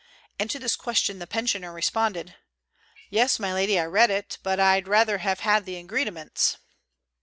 And to this question the pensioner responded, "Yes, my lady, I read it, but I'd rather have had the ingridiments."